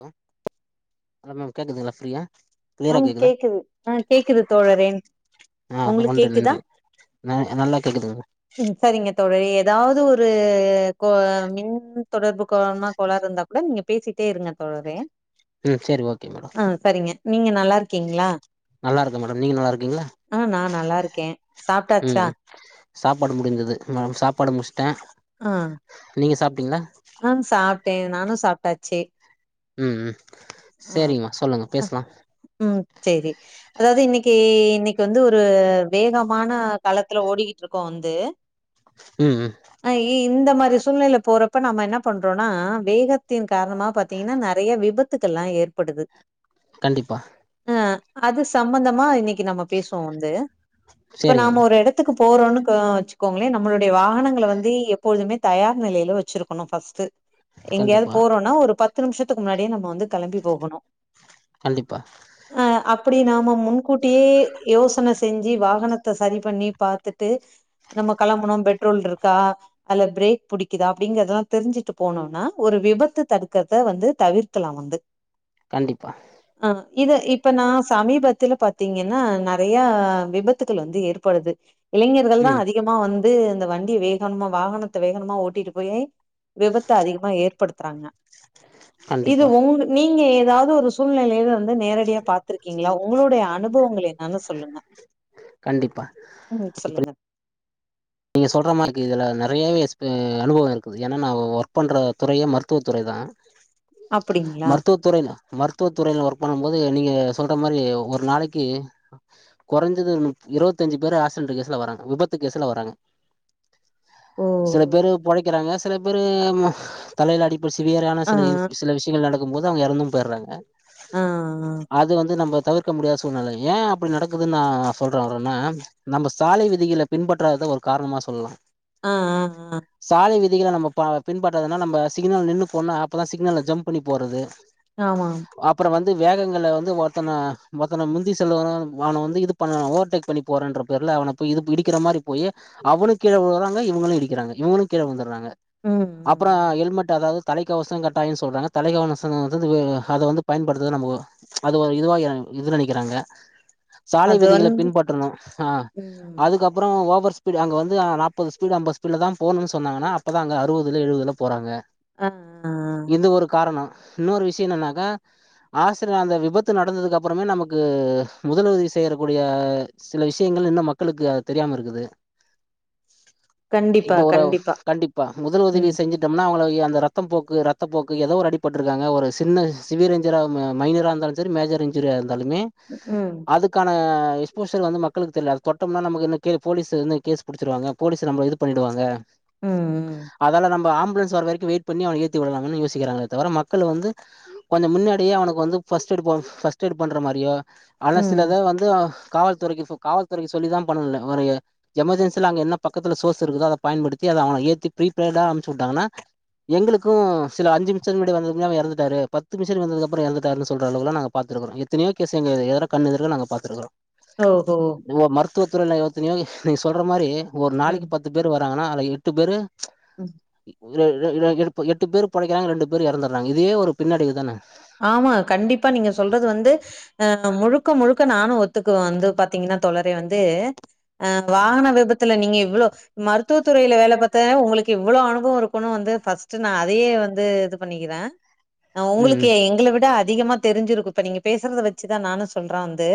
ஹ hello ma'am கேக்குதுங்களா ஃப்ரீயா கிளியரா ஆ கேக்குதா கேக்குது ஆ கேக்குது தோழரே ஆ உங்களுக்கு வந்து கேக்குதா நன்றி ந நல்லா கேக்குதுங்க ம் சரிங்க தோழரே ஏதாவது ஒரு கோ மின் தொடர்பு காரணமா கோளாரு இருந்தா கூட நீங்க பேசிட்டே இருங்க தோழரே ம் செரி ஓகே மேடோ ஆ சரிங்க நீங்க நல்லா இருக் கீங்களா நல்லா இருக்கே மேடம் நீங்க நல்லா இருக்கீங்களா ஆ நா நல்லா இருக்கே சாப்ட்டாச்சா ம் சாப்பாடு முடிஞ்சது நானு சாப்பாட முடிச்ட்டே ஆ நீங்க சாப்ட்டீங்களா ம் சாப்ட்டே நானு சாப்ட்டாச்சு ம் ம் ஆ சேரிங்கம்மா சொல்லுங்க பேசலா ம் சேரி அதாவது இன்னக்கி இன்னக்கி வந்து ஒரு வேகமான காலத்துல ஓடிக்கிட்டு இருக்கோ வந்து ம் ம் ஆ இ இந்த மாரி சூழ்நிலைல போறப்ப நம்ம என்ன பண்றோன்னா வேகத்தின் காரணமா பாத்தீங்கன்னா நெறைய விபத் துக்கல்லா ஏற்படுது கண்டிப்பா ஆ அது சம்மந்தமா இன்னக்கி நம்ம பேசுவோ வந்து இப்ப நாம சரிங்கம்மா ஒரு இடத் துக்கு போறோன்னு க வச்சுக்கோங்களே நம்மளுடைய வாகனங்கள வந்து எப்பொழுதுமே தயார் நிலையில வச்சிருக்கணு ஃபர்ஸ்ட் எங்கயாது கண்டிப்பா போறோன்னா ஒரு பத்து நிமிஷத்துக்கு முன்னாடியே நம்ம வந்து கெளம்பி போகணு கண்டிப்பா ஆ அப்டி நாம முன்கூட்டியே யோசன செஞ்சு வாகனத்த சரி பண்ணி பாத்துட்டு நம்ம கெளம்பணு பெட்ரோல் இருக்கா அதுல பிரேக் புடிக்குதா அப்டிங்குறதெல்லா தெரிஞ்சுட்டு போனோன்னா ஒரு விபத்து தடுக்கறத வந்து தவிர்க்கலா வந்து கண்டிப்பா ஆ இத இப்ப நா சமீபத்துல பாத்தீங்கன்னா நெறையா விபத்துகள் வந்து ஏற்படுது இளைஞர்கள் தா ம் அதிகமா வந்து இந்த வண்டிய வேகனமா வாகனத்த வேகனமா ஓட்டிட்டு போய் விபத்த அதிகமா ஏற்படுத்துறாங்க இது கண்டிப்பா ஒங் நீங்க ஏதாவது ஒரு சூழ்நிலையில வந் து நேரடியா பாத்திருக்கீங்களா உங்களுடைய அனுபவங்கள் என்னன்னு சொல்லுங்க கண்டிப்பா ம் சொல்லுங்க நீங்க சொல்ற மாரி எனக்கு இதுல நிறையவே எக்ஸ்பிரி அனுபவோ இருக்குது ஏன்னா நா ஒர்க் பண்ற துறையே மருத்துவத்துறை தா அப்டிங்களா? மருத்துவத் துறைல மருத்துவ துறையில ஒர்க் பண்ணம் போது நீங்க சொல்ற மாரி ஒரு நாளக்கி குறைஞ்சது ஒரு முப் இருபத்தஞ்சி பேரு ஆக்சிடென்ட் கேஸ்ல வராங்க விபத்து கேஸ்ல வராங்க ஓ! சில பேரு ஓ! பொழைக்கிறாங்க சில பேரு தலையில அடிப்பட் சிவியரான ஆ, சில சில விஷயங்கள் நடக் கும் போது அவங்க இறந்தும் போய்றாங்க ஆ, அத வந்து நம்ம தவிர்க் க முடியாத சூழ்நிலை ஏ அப்டி நடக்குது நா சொல்ற வர்றேன்னா நம்ம சாலை விதிகள பின்பற்றாதது தா ஒரு காரணமா சொல்லலா ஆ, ஆ, ஆ, ஆ, சாலை விதிகள நம்ம பா பின்பற்றாததுனா நம்ம சிக்னல் நின்னு போன்னா அப்பதா சிக்னல்ல ஜம்ப் பண்ணி போறது ஆமாம் அப்பறோ வந்து வேகங்கள்ல வந்து ஒருத்தன ஒருத்தன முந்தி செல்ல வ அவன வந்து இது பண்ண ஓவர்டேக் பண்ணி போறேன்ற பேர்ல அவன போயி இது இடிக்கிற மாரி போயி அவனு கீழ விழுறாங்க இவங்களு இடிக்கிறாங்க இவங்களு கீழ உழுந்துட்றாங்க ம் அப்பறோ ம். ஹெல்மெட் அதாவது தலைக்கவச கட்டாயன்னு சொல்றாங்க தலைக்கவனசனுங்கறது அத வந்து பயன்படுத்துறது நமக்கு அது ஒரு இதுவா யா இது நெனைக்கிறாங்க சாலை அது விதிகளை வந்து பின்பற்றணு ஆ ம். அதுக்கப்பறோ ஓவர்ஸ் பீடு அங்கவந்து அ நாப்பது ஸ்பீடு அம்பது ஸ்பீட்ல தா போணுன்னு சொன்னாங்கனா அப்ப தா அங்க அறுவதுல எழுவதுல போறாங்க ஆ, ஆ, ஆ. இது ஒரு காரணோ இன்னொரு விஷயம் என்னனாக்கா ஆக்சிரன் அந்த விபத்து நடந்ததுக்கு அப்புறமே நமக்கு முதல்உதவி செய்யறக்கூடிய சில விஷயங்கள் இன்னு மக்களுக்கு அது தெரியாம இருக்குது கண்டிப்பா, இப்ப ஒரு கண்டிப்பா. கண்டிப்பா முதல் ம். உதவி செஞ்சு ட்டம்னா அவங்களுக்கு அந்த ரத்தம் போக்கு ரத்தப்போக்கு ஏதோ ஒரு அடிபட்டுருக்காங்க ஒரு சின்ன சிவியரிஞ்சர் ம மைனராந்தாலுஞ் சரி மேஜர் இன்சுரியா இருந்தாலுமே ம்க்கும் அதுக்கான எக்ஸ்போஷர் வந்து மக்களுக்கு தெர்ல அது தொட்டம்னா நமக்கு என்ன கேளு போலீஸு வந்து கேஸ் புடிச்சிருவாங்க போலீஸ் நம்மள இது பண்ணிடுவாங்க ம் ம் அதால நம்ம ஆம்புலன்ஸ் வர வரைக்கு வெய்ட் பண்ணி அவன ஏத்தி விடலாமானு யோசிக்கறாங்களே தவிர மக்கள் வந்து கொஞ்சம் முன்னாடியே அவனுக்கு வந்து ஃபஸ்ட்டெய்ட் ஃபஸ்ட்டெய்டு பண்ற மாரியோ ஆனா ம் சிலத வந்து காவல்துறைக்குப்போ காவல்துறைக்கு சொல்லிதா பண்ணுல வர எமர்ஜென்சில அங்க என்ன பக்கத்துல சோர்ஸ் இருக்குதோ அத பயன்டுத்தி அத அவன ஏத்தி ப்ரீபெய்டா அம்ச்சு வுட்டாங்கனா எங்களுக்கு சில அஞ்சு நிம்ஷத்துக்கு முன்னாடி வந்துந்தா இறந்துடாரு பத்து நிமிஷத்துக்கு வந்ததுக்கு அப்புறம் இறந்துட்டாருன்னு சொல்ற அளவுகுலா நாங்க பாத்துருக்குறோ எத்தினியோ கேசு எங்க எதர கண்ணு எதுருல நாங்க பாத்துருக்குறோ ஓ ஓ ஓ மருத்துவத்துறையில யொத்தினியோ நீங்க சொல்ற மாரி ஒரு ம் நாளைக்கு பத்து பேர் வராங்கனா அதுல எட்டு பேரு ம் ரே ரே ரேகுருப்ப எட்டு பேர் பொழைக்கிறாங்க ரெண்டு பேர் இறந்துடுறாங்க இதே ஒரு பின்னடைவு தானே ஆமா கண்டிப்பா நீங்க சொல்றது வந்து ஹ முழுக்க முழுக்க நானு ஒத்துக்குவன் வந்து பாத்தீங்கன்னா தோழரே வந்து அ வாகன விபத்துல நீங்க இவ்ளோ மருத்துவத்துறையில வேலை பாத்த உங்களுக்கு இவ்ளோ அனுபவம் இருக்கும்னு வந்து ஃபர்ஸ்ட்டு நான் அதையே வந்து இது பண்ணிக்கிறே ஹ ம் உங்களுக்கு எங்கள விட அதிகமா தெரிஞ்சிருக்கு இப்ப நீங்க பேசுறத வெச்சுதா நானு சொல்ற வந்து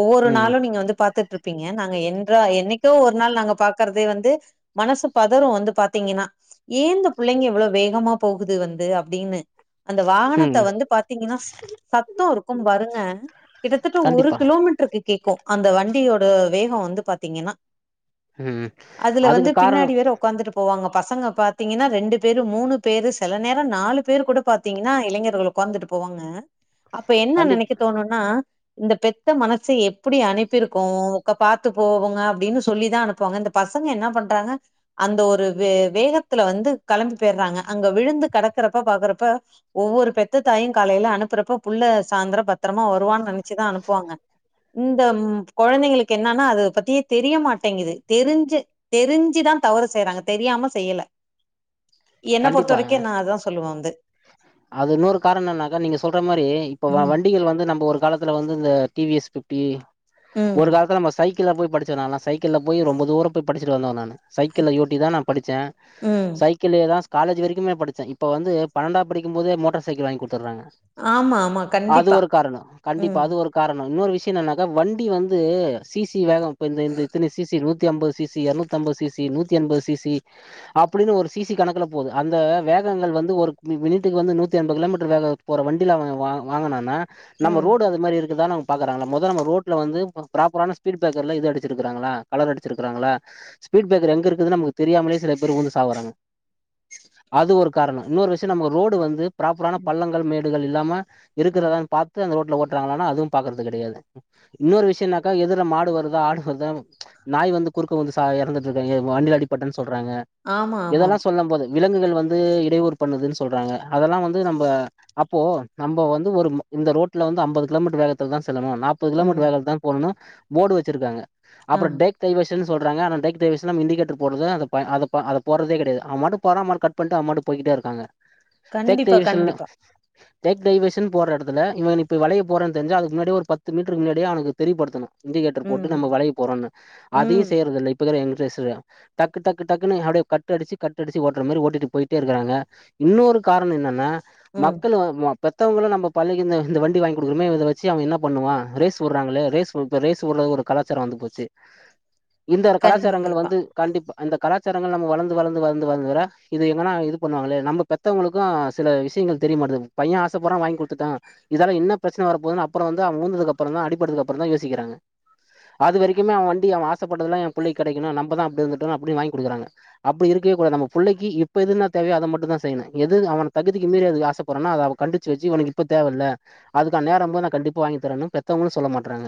ஒவ்வொரு ம் நாளு நீங்க வந்து பாத்துட்டு இருப்பீங்க நாங்க என்றா என்னைக்கோ ஒரு நாள் நாங்க பாக்கற்தே வந்து மனசு பதரு வந்து பாத்தீங்கனா ஏன் இந்த புள்ளைங்க இவ்ளோ வேகமா போகுது வந்து அப்டின்னு அந்த வாகன த ம் வந்து பாத்தீங்கனா சத்தோ இருக்கோ பாருங்க கிட்டத்தட்ட ஒரு கண்டிப்பா கிலோமீட்டர்க்கு கேக்கோ அந்த வண்டியோட வேகோ வந்து பாத்தீங்கன்னா ம் அதுல அதுக்கு வந்து காரணோ பின்னாடி வேற உக்காந்துட்டு போவாங்க பசங்க பாத்தீங்கனா ரெண்டு பேரு மூணு பேரு செல நேரோ நாலு பேர் கூட பாத்தீங்கனா இளைஞர்களுக் உகாந்துட்டு போவாங்க அப்ப என்ன கண்டிப் நெனைக்க தோணுனா இந்த பெத்த மனசு எப்புடி அனுப்பிருக்கு உக்க பார்த்து போகுங்க அப்டின்னு சொல்லிதா அனுப்புவாங்க இந்த பசங்க என்னா பண்றாங்க அந்த ஒரு வே வேகத்துல வந்து களம்பி போயிற்றாங்க அங்க விழுந்து கெடக்கறப்ப பாக்குறப்ப ஒவ்வொரு பெத்த தாயு காலையில அனுப்புறப்ப புள்ள சாந்திரோ பத்திரமா வருவான்னு நெனைச்சுதா அனுப்புவாங்க இந்தம் கொழந்தைங்களுக்கு என்னன்னா அத பத்தியே தெரிய மாட்டேங்குது தெரிஞ்சே தெரிஞ்சிதா தவறு செய்யறாங்க தெரியாம செய்யல என்ன பொறுத்த கண்டிப்பா வரைக்கு நா அததா சொல்லுவே வந்து அது இன்னோரு காரணன்னனாக்கா நீங்க சொல்ற மாரி இப்ப ம் வண்டிகள் வந்து நம்ப ஒரு காலத் துல வந்து இந்த டி வி எஸ் பிஃப்டி ஒரு ம் காலத்துல நம்ம சைக் கிள்ள போய் படிச்சே நான்லா சைக்கிள்ள போயி ரொம்ப தூர போய் படிச்சுட்டு வந்தவ நானு சைக்கிள ஓட்டி தா நா படிச்சே ம் சைக்கிள்ளயேதா காலெஜ் வரைக்குமே படிச்சே இப்ப வந்து பன்னெண்டாப்படிக்கும் போதே மோட்டார் சைக்கிள் வாங்கிகுடுத்துறாங்க ஆமா ஆமா அது கண்டிப்பா. ஒரு காரணோ கண்டிப்பா ம். அது ஒரு காரணோ இன்னோரு விஷ்ய என்னனாக்கா வண்டி வந்து சி சி வேகோ இ இந்த இத்தன சி சி நூத்தி அம்பது சி சி எர்நூத்தம்பது சி சி நூத்தி அம்பது சி சி அப்டின்னு ஒரு சிசி கணக்குல போது அந்த வேகங்கள் வந்து ஒரு நீ வீட்டுக்கு வந்து நூத்தி அம்பது கிலோ மீட்டர் வேக போற வண்டில வா வாங்கனானா நம்ம ம். ரோடு அது மாரி இருக்குதா நம் பாக்குறாங்க மொத நம்ம ரோட்ல வந்து ப்ராப்பரான ஸ்பீட் ப்ரேக்கர்ல இது அடிச்சிருக்காங்களா கலர் அடிச்சிருக்காங்களா ஸ்பீட் ப்ரேக்கர் எங்க இருக்குதுனு நமக்கு தெரியாமலே சில பேரு வுழுந்து சாவுறாங்க அது ஒரு காரணோ இன்னோரு விஷ் நம்ம ரோடு வந்து ப்ராப்பரான ம். பள்ளங்கள் மேடுகள் இல்லாம இருக்குறதா ம். பாத்து அந்த ரோட்ல ஓட்டுறாங்களானா அதுவு பாக்குறது கெடயாது இன்னோரு விஷயோனாக்கா எதுர்ல மாடு வருதா ஆடு வருதா நாய் வந்து குறுக்க வந்து சாய் இறந்துட்டு இருக்காங்க வண்டில அடிப்பட்டுன் சொல்றாங்க ஆமா, இதெல்லா ஆமாம். சொல்லு போது விலங்குகள் வந்து இடையூறு பண்ணுதுன்னு சொல்றாங்க அதெல்லா வந்து நம்ப அப்போ நம்ப வந்து ஒரு இந்த ரோட்ல வந்து அம்பது கிலோமீட்டர் வேகத்துல தா செல்லணு நாப் முப்பது கிலோ மீட்டர் ம். வேக தா போனு போர்டு வச்சிருக்காங்க அப்றொ ஆமா. டேக் டைவர்ஷன் சொல்றாங்க ஆனா டெக் டைவர்ஷன் நம்ம இன்டிகேடர் போடுறது அத பய அத பய அத போடுறதே கெடையாது அவ பாட்டுக்கு போறா அவ பாட் கட் பண்ட்டு அவ பாட்டுக்கு போய்கிட்டே இருக்காங்க டேக் கண்டிப்பா, டைவர்ஷன்னு கண்டிப்பா. டேக் டைவஷன் போட்ற எடத்துல இவ இப்ப வலைய போறான் தெரிஞ்சா அதுக்கு முன்னாடியே ஒரு பத்து மீட்டருக்கு முன்னாடிய அவனுக்கு தெரியப்படுத்தனு இண்டிகேட்டர் ம். போட்டு நம்ம வலைய போறோன்னு அதையு ம். செய்றதில்ல இப்போக்கற எங்ரேஸ்சரு டக்கு டக்கு டக்குன்னு அப்டியே கட்டு அடிச்சி கட்டு அடிச்சி ஓட்ற மாரி ஓட்டிட்டு போயிட்டே இருக்குறாங்க இன்னோரு காரண என்னன்னா ம். மக்கள் வந் ம பெத்தவங்களு நம்ம பள்ளிக்கு இந்த இந்த வண்டி வாங்கி குடுக்குறோமே இத வச்சு அவ என்ன பண்ணுவா ரேஸ் உடுறாங்களே ரேஸ் இப்ப ரேஸ் உடுற ஒரு கலா சாரோ வந்து போச்சு இந்த கலாச்சாரங்கள் கண்டிப்பா. வந்து கண்டிப்பா அந்த கலாச்சாரங்கள் நம்ம வளந்து வளந்து வளந்து வளந்து வர இது எங்கனா இது பண்ணுவாங்களே நம்ப பெத்தவங்களுக்கு சில விஷயங்கள் தெரிமாட்டுது பைய ஆசப்படுறா வாங்கி குடுத்துட்டோ இதால என்ன பிரச்சன வரப்போதுனு அப்றோ வந்து அவ வுழுந்தது அப்றோ தா அடிபட்டதுக்கு அப்றோ தா யோசிக்றாங்க அது வரைக்குமே அவ வண்டிய அவ ஆசப்பட்டதல்லா என் புள்ளைக்கு கெடைக்கணோ நம்பதா அப்டி இருந்துட்டோ அப்டின் வாங்கி குடுக்குறாங்க அப்டி இருக்கவே கூடாது நம்ப புள்ளைக்கு இப்ப எதுனா தேவயோ அத மட்டுதா செய்யனு எது அவன தகுதிக்கு மீறி அது ஆசப்பறானோ அத அவ கண்டிச்சி வச்சு இவனுக்கு இப்ப தேவல்ல அதுக்கான நேரோ போது நா கண்டிப்பா வாங்கி தரணு பெத்தவங்களு சொல்ல மாட்றாங்க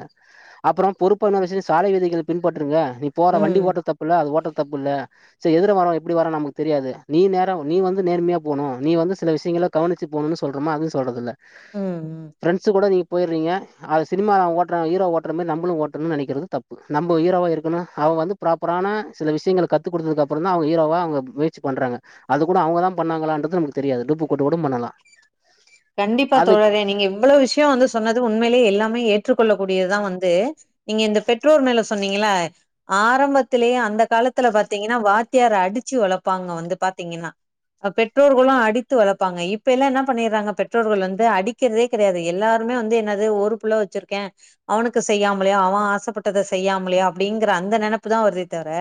அப்றோ பொறுப்பான விசயோ சாலை விதிகளை பின்பற்றுங்க போற வண்டி ஓட்ற ம். தப்புல அது ஓட்ற தப்புல செரி எதுர வர எப்டி வர நமக்கு தெரியாது நீ நேரா நீ வந்து நேர்மையா போனு நீ வந்து சில விஷயங்கள கவனிச்சு போகனு சொல்றமா அது சொல்றதுல்ல ம். ம். பிரெண்ஸு கூட நீங் போய்றீங்க அத சினிமா ஓட்ற ஹீரோ ஓட்ற மாரி நம்மலு ஓட்டணுனு நெனக்கிறது தப்பு நம்ப ஹீரோவா இருக்கனு அவங்க வந்து ப்ராப்பரான சில விஷயங்கள கத்து குடுத்ததுக்கப்புறந்தா அவங்க ஹீரோவா அவங்க முயற்சி பண்றாங்க அது கூட அவங்கதா பண்ணாங்களான்றது நமக்கு தெரியாது டூப்பு போட்டு கூட பண்ணலா கண்டிப்பா அதுக்கு தோழரே நீங்க இவ்ளோ விஷ்யோ வந்து சொன்னது உண்மேலே எல்லாமே ஏ ற்றுக்கொள்ள கூடியதுதா வந்து நீங்க இந்த பெற்றோர் மேல சொன்னீங்கள ஆரம்பத்திலேயே அந்த காலத்துல பாத்தீங்கனா வாத்தியார் அடிச்சு வளப்பாங்க வந்து பாத்தீங்கனா பெற்றோர்களு அடித்து வளப்பாங்க இப்ப எல்லா என்ன பண்ணிறாங்க பெற்றோர்கள் வந்து அடிக்கிறதே கெடையாது எல்லாருமே வந்து என்னது ஒரு புள்ள வச்சிருக்கே அவனுக்கு செய்யாமலையா அவ ஆசப்பட்டத செய்யாமலையா அப்டிங்கிற அந்த நெனப்புதா வருதே தவர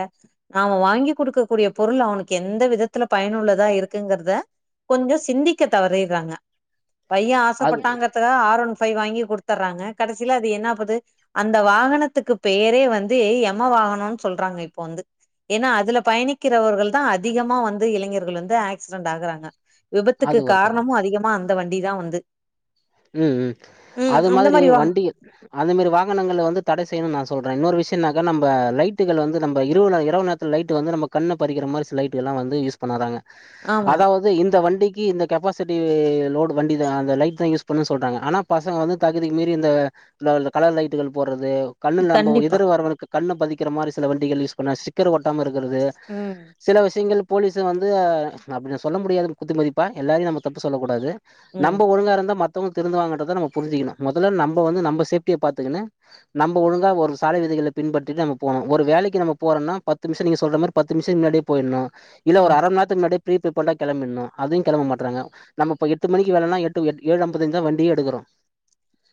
அவ வாங்கி குடுக்க கூடியப் பொருள் அவனுக்கு எந்த விதத்துல பயனுள்ளதா இருக்குங்கிறத கொஞ்சோ சிந்திக்க தவறிர்றாங்க பைய அது ஆசப்பட்டாங்கறதுகாக ஆர் ஒன் ஃபை வாங்கி குடுத்தர்றாங்க கடைசில அது என்னாப்புது அந்த வாகனத்துக்குப் பெயரே வந்தேய் எம வாகனனொன் சொல்றாங்க இப்போ வந்து ஏனா அதுல பயணிக்கிறவர்கள்தா அதிகமா வந்து இளைஞர்கள் வந்து ஆக்சிடென்ட் ஆகறாங்க விபத்துக்கு அது ஒரு காரண காரணமு அதிகமா அந்த வண்டிதா வந்து ம் ம் ம் அது அந்த மாதிரி மாரி வா வண்டிய அந்த மாரி வாகனங்கள வந்து தட செய்யணுன் நா சொல்றே இன்னொரு விஷ்யனாக்கா நம்ப லைட்டுகள் வந்து நம்ம இருவுள இரவு நேத் த்துல் லைட்டு வந்து நம்ம கண்ணப் பறிக்கிற மாரி சில லைட்டுகள்லா வந்து யூஸ் பண்ணாதாங்க ஆமா அதாவது இந்த வண்டிக்கி இந்த கெப்பாசிட்டி லோடு வண்டி இது அந்த லைட்தா யூஸ் ப்புனு சொல்றாங்க ஆனாப் பசங்க வந்து தகுதிக்கு மீறி இந்த இந்த ல கலர் லைட்டுகள் போர்றது கண்ணுல் நம்போ கண்டிப்பா எதுற வரவனுக்குக் கண்ணப் பதிக்கிற மாரி சில வண்டிகள் யூஸ் பண்ண சிக் க்கர் ஒட்டமா இருக்கிறது ம் சில விஷியங்கள் போலீசு வந்து நா அப்டி நா சொல்லம் முடியாது குத்து மதிப்பா எல்லாரயும் நம்ம தப்பு சொல்லகூடாது ம் நம்ப ஒழுங்கா இருந்தா மத்தவங்க திருந்துவாங்கன்றத நம்ம புரிஞ்சிக்கிணு மொதல நம்போ வந்து நம்ம சேஃப்டிய பாத்துகினு நம்ப ஒழுங்கா ஒரு சாலை விதிகளப் பின்பற்றிட்டு நம்ம போனு ஒரு வேலைக்கி நம்ம போறனா பத்து நிம்ஷம் நீங்க சொல்ற மாரிப் பத்து நிம்ஷ முன்னாடியே போயிட்னு இல்ல ஒரு ம் அரம்னேர் த்துக் முன்னாடியேப் பிரீப்பே போட்டா கெளம்பிட்னு அதியுங் கெளம்ப மாட்றாங்க நம்ப இப்ப எட்டு மணிக்கு வேலனா எட்டு எட் ஏழு அம் ப்பதஞ்சிக்தா வண்டியே எடுகறோ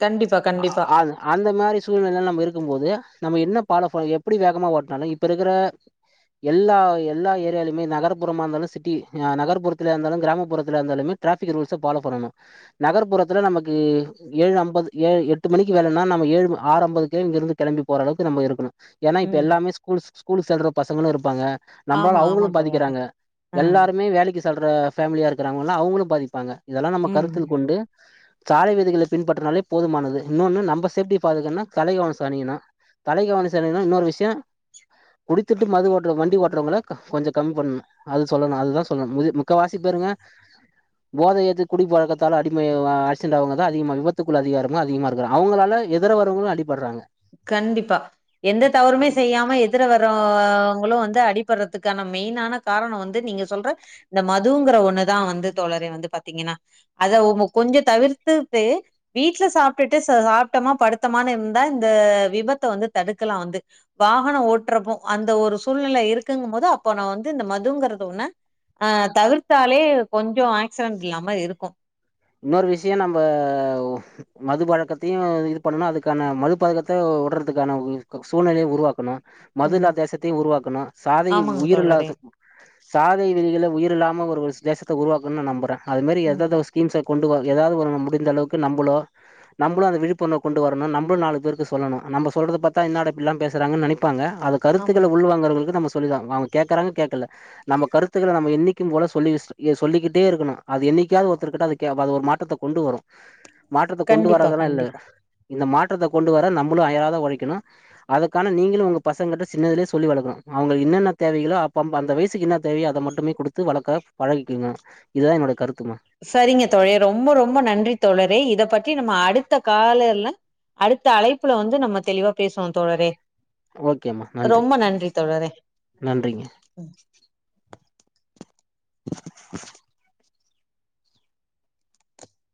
கண்டிப்பா கண்டிப்பா ஆது அந்த மாரி சூழ்நிலைல நம்ம இருக்கும் போது நம்ம என்னப் பாலோப எப்டி வேகமா ஓட்னாலு இப்ப இருகற எல்லா எல்லா ஏரியாலியுமே நகர்ப்புறமா இந்தாலு சிட்டி அ நகர்புரத்திலியா இந்தாலு கிராமப்புறத்திலியா இந்தாலுமே ட்ராஃபிக் ரூல்ஸ ஃபாலோ பண்ணணு நகர்புறத்தல நமக்கு ஏழு அம்பது ஏழு எட்டு மணிக்கு வேலனா நம்ம ஏழும ஆறு அம்பதுகே இங்கிருந்து கெளம்பி போற அளவுக்கு நம்ம இருக்கணு ஏனா இப்ப ம் எல்லாமே ஸ்கூல்ஸ் ஸ்கூல்ஸ் செல்றப் பசங்களு இருப்பாங்க நம்பால ஆமா ஆமா அவுங்ளு தோழரே பாதிக்கிறாங்க ஆ எல்லாருமே வேலைக்குச் தல்ற ஃபேமிலியா இருக்கிறாங்கன்னா அவுங்குளுப் பாதிப்பாங்க இதலாம் நம்ம ம் கருத்தில் கொண்டு சாலை விதிகளைப் பின்பற்றினாலேப் போதுமானது இன்னொன்னு நம்ம சேஃப்டி பாதுகின்னா தலை கவச அணியனு தலைக்கவனச இல்லைனா இன்னொரு விஷ்யோ குடித்திட்டு மது ஓட்ற வண்டி ஓட்றவங்கள கொஞ்சோ கம்மி பண்ணு அது சொல்லணு அதுதா சொல்லணு முதி முக்கவாசிப் பேருங்க போதய ஏத்து குடி பழக்கத் தால அடிமையவா அக்சிடேன்ட்டாவங்கதா அதிகமா விபத்துக்குள் அதிகாரமா அதிகமா இருக்க அவுங்களால எதர வரவுங்களு அடிபர்றாங்க கண்டிப்பா எந்த தவறுமே செய்யாம எத் எதர வரவுங்களு வந்து அடிப்பர்றதுக்கான மெயினான காரண வந்து நீங்க சொல்ற இந்த மதுங்கற ஒன்னுதா வந்து தோழரே வந்து பாத்தீங்கனா அத அவுங்க கொஞ்சத் தவிர்த்துட்டு வீட்ல சாப்ட்டுட்டு ச சாப்டமா படுத்தமானு இருந்தா இந்த விபத்த வந்து தடுக்கலா வந்து வாகனோ ஓட்றப்போ அந்த ஒரு சூழ்நில இருக்குங்கும் போது அப்போ நா வந்து இந்த மதுங்கறது ஒன்ன அ தவிர்த்தாலே கொஞ்சோ ஆக்சிடென்ட் இல்லாம இருக்கு இன்னொரு விஷ்யோ நம்பவு மது பழக்கத்தையு இதுப் பண்ணனு அதுக்கான மதுப் பழக்கத்த வுட்றதுக்கான சூழ்நிலைய உருவாக்கணு மது இல்லா ம் தேசத்தையு உருவாக்கணு சாதி ஆமாங்க உயிர் தோழரே இல்லாத சாதை விளிகிள உயிர் இல்லாம ஒரு ஒருச் தேசத்த உருவாக்குன் நா நம்பறே அது மேரி ம் எததோச் தீம்ஸ கொண்டுவ எதாவது ஒரு நம் முடிந்தளவுக்கு நம்பளோ நம்மளு அந்த விழிப்புணர்வு கொண்டு வரணு நம்ளு நாலு பேருக்கு சொல்லணு நம்ம சொல்றத பத்தா என்னடாப்டில்லா பேசுறாங்க நனைப்பாங்க அத கருத்துக்கள ஆமாங்க உள்வாங்கறவளுக்கு நம்ம சொல்லிதா ஆவனு வாங்க கேக்குறாங்க கேக்கல நம்ம கருத்துக்களை நம்ம என்னைக்கு போல சொல்லிவஸ் சொல்லிக்கிட்டே இருக்கணு அது என்னைக்காது ஒரு திருக்கட்டாதுக்கே அது ஒரு மாற்றத்த கொண்டு வரு மாற்றத்த கொண்டு கண்டிப்பா வராதெல்லா இல்ல கண்டிப்பா இந்த மாற்றத்த கொண்டு வர நம்மளு அயராத ஒழைக்கணு அதுக்கான நீங்களு உங்க பசங்கட்ட சின்னதிலே சொல்லி வளக்கணு அவங்க என்னென்ன தேவைகளோ அப்பப் அந்த வயசுக்கு என்ன தேவயோ அத மட்டுமே குடுத்து வளக்க பழகிக்குங்க இதுதா என்னோட கருத்துமா சரிங்க தோலே ரொம்ப ரொம்ப நன்றி தோழரே இத பத்தி நம்ம அடுத்த காலர்ல அடுத்த அழைப்புல வந்து நம்ம தெளிவா பேசுவோ தோழரே, ரொம்ப நன்றி தோழரே. நன்றிங்க